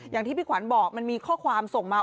อย่างที่พี่ขวัญบอกมันมีข้อความส่งมา